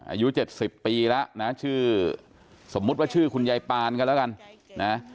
อายุ๗๐ปีแล้วนะชื่อสมมุติว่าชื่อคุณยายปานก็แล้วกันนะ